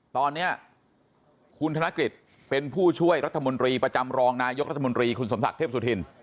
ตอนนี้คุณธนกฤษเป็นผู้ช่วยรัฐมนตรีประจำรองนายกรัฐมนตรีคุณสมศักดิ์เทพสุธิน